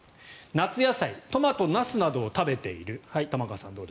夏野菜、トマト、ナスなどを食べている。